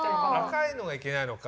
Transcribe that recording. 赤いのがいけないのか。